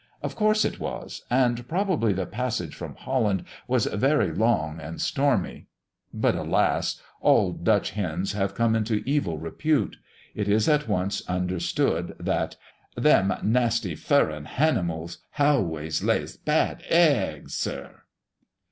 Of course it was; and probably the passage from Holland was very long and stormy. But alas! all Dutch hens come into evil repute; it is at once understood that, "Them nasty furrin hanimals halways lays bad heggs, Sir."